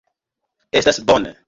Estas bone!